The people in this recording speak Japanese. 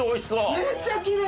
めっちゃきれい！